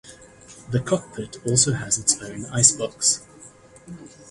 The cockpit also has its own icebox.